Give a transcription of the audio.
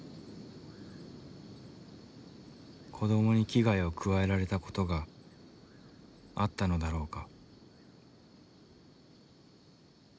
子どもに危害を加えられた事があったのだろうか。